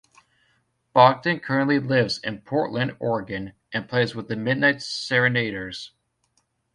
Bogdan currently lives in Portland, Oregon and plays with the Midnight Serenaders.